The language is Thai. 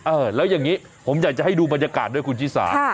เออแล้วอย่างนี้ผมอยากจะให้ดูบรรยากาศด้วยคุณชิสา